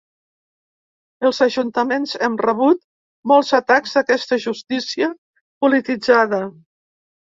Els ajuntaments hem rebut molts atacs d’aquesta justícia polititzada.